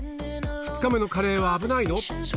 ２日目のカレーは危ないの？」